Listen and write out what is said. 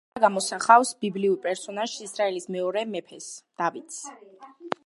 ქანდაკება გამოსახავს ბიბლიურ პერსონაჟს, ისრაელის მეორე მეფეს დავითს.